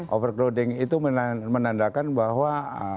overcrowding itu menandakan bahwa